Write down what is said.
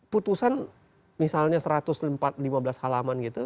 putusan misalnya satu ratus lima belas halaman gitu